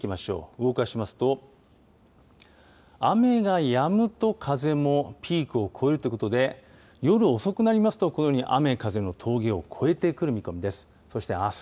動かしますと、雨がやむと風もピークを超えるということで、夜遅くなりますと、このように雨、風の峠を越えてくる見込みです。